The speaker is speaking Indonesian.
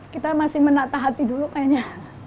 saya masih menata hati dulu kayaknya